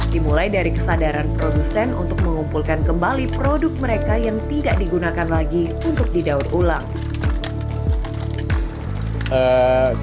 dimulai dari kesadaran produsen untuk mengumpulkan kembali produk mereka yang tidak digunakan lagi untuk didaur ulang